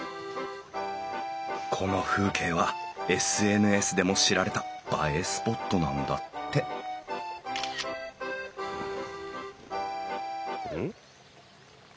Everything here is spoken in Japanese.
この風景はＳＮＳでも知られた映えスポットなんだってうん？